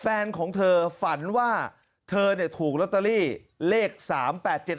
แฟนของเธอฝันว่าเธอเนี่ยถูกลอตเตอรี่เลขสามแปดเจ็ด